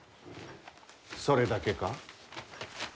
それだけか？